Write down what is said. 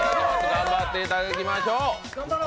頑張っていただきましょう。